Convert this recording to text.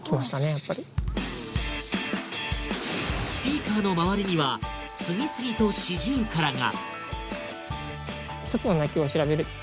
やっぱりスピーカーの周りには次々とシジュウカラが！